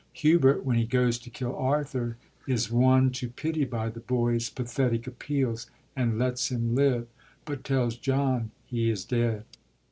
Hubert, when he goes to kill Arthur, is won to pity by the boy's pathetic appeals, and lets him live, but tells John he is dead.